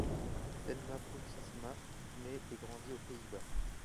Selma Poutsma naît et grandit aux Pays-Bas.